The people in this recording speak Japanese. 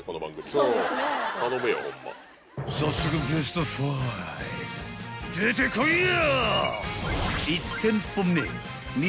［早速ベスト５出てこいや！］